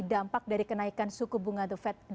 dampak dari kenaikan suku bunga duvet